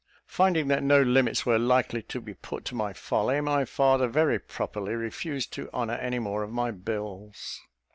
Finding that no limits were likely to be put to my folly, my father very properly refused to honour any more of my bills.